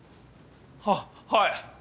あっはい！